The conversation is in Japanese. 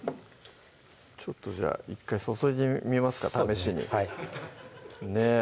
ちょっとじゃあ１回注いでみますか試しにねぇ